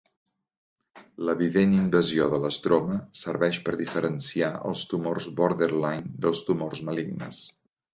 L'evident invasió de l'estroma serveix per diferenciar els tumors borderline dels tumors malignes.